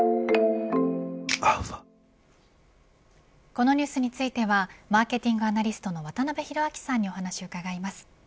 このニュースについてはマーケティングアナリストの渡辺広明さんにお話を伺います。